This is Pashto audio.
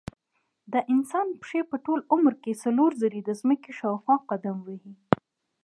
د انسان پښې په ټول عمر کې څلور ځلې د ځمکې شاوخوا قدم وهي.